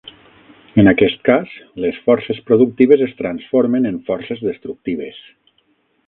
En aquest cas, les forces productives es transformen en forces destructives.